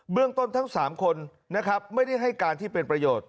เรื่องต้นทั้ง๓คนนะครับไม่ได้ให้การที่เป็นประโยชน์